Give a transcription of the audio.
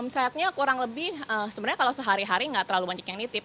omsetnya kurang lebih sebenarnya kalau sehari hari nggak terlalu banyak yang nitip